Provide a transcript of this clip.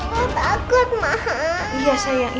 masa sih deniz bohong